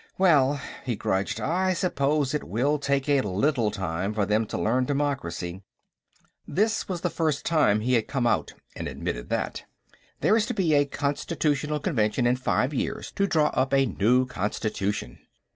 Well," he grudged, "I suppose it will take a little time for them to learn democracy." This was the first time he had come out and admitted that. "There is to be a Constituent Convention in five years, to draw up a new constitution."